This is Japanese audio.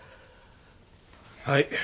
はい。